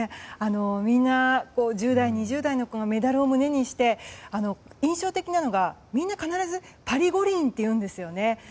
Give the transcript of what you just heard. みんな１０代２０代の子がメダルを胸にして印象的なのがみんな必ず、パリ五輪って言うんですよね。